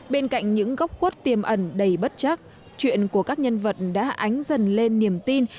bên cạnh những góc khuất tiềm ẩn đầy bất chắc chuyện của các nhân vật đã ánh dần lên niềm tin